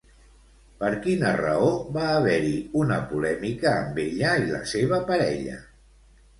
Per quina raó va haver-hi una polèmica amb ella i la seva parella?